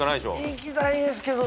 いきたいですけど。